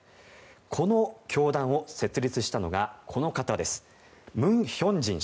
この教団を設立したのがこの方文亨進氏。